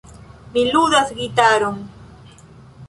Mi ludas gitaron.